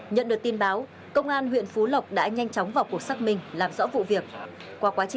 nhận được tin báo công an huyện phú lộc đã nhanh chóng vào cuộc xác minh làm rõ vụ việc